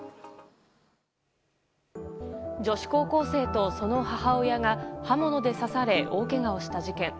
女子高校生とその母親が刃物で刺され大けがをした事件。